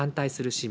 市民